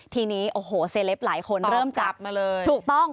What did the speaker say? ทีนี้โอ้โหเซเลปหลายคนเริ่มจับมาเลยถูกต้อง